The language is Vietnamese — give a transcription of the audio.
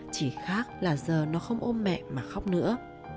chỉ khác là giờ nó không ôm mẹ mà khóc nữa